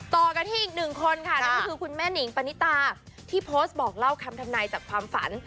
ต่อกันที่อีกหนึ่งคนค่ะนั่นก็คือคุณแม่นิงปณิตาที่โพสต์บอกเล่าคำทำนายจากความฝัน